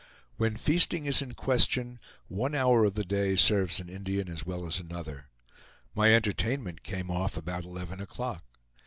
When feasting is in question, one hour of the day serves an Indian as well as another. My entertainment came off about eleven o'clock.